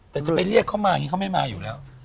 แต่จะไปเรียกเขามาอย่างนี้เขาไม่มาอยู่แล้ว